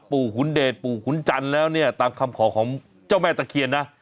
หุนเดชปู่ขุนจันทร์แล้วเนี่ยตามคำขอของเจ้าแม่ตะเคียนนะ